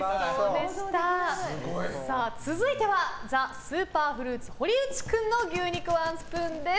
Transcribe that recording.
続いてはＴＨＥＳＵＰＥＲＦＲＵＩＴ堀内君の牛肉ワンスプーンです。